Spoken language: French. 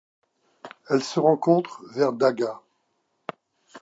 Elle se rencontre vers Dagua.